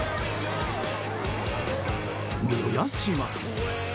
燃やします。